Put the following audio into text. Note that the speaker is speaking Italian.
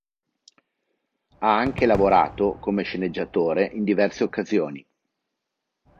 Ha anche lavorato come sceneggiatore in diverse occasioni.